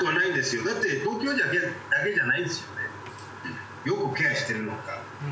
よくケアしてるのか。